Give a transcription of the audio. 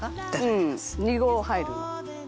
「うん２合入るの」